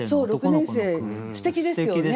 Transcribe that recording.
６年生すてきですよね。